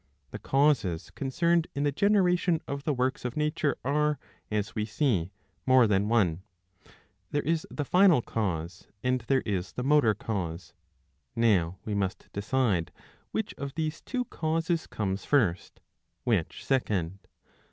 The causes concerned in the generation of the works of nature are, as we see, more than one. There is the final cause and there is the motor cause. Now we must decide which of these two causes ^ comes first, which second.